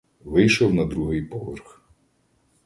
Вийшов на другий поверх.